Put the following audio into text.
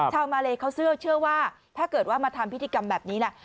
ชาวมาเลเขาเชื่อว่าถ้าเกิดว่ามาทำพิธีกรรมแบบนี้แหละ